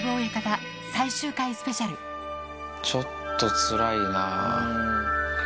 ちょっとつらいな。